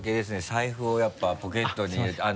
財布をやっぱポケットに。